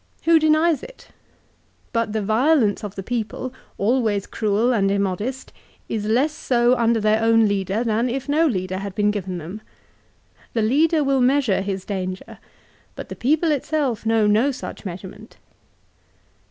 Who denies it ? But the violence of the people, always cruel and im modest, is less so under their own leader, than if no leader had been given them. The leader will measure his danger ; but the people itself know no such measurement."